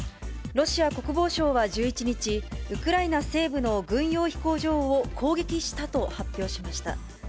ロシア国防省は１１日、ウクライナ西部の軍用飛行場を攻撃したと発表しました。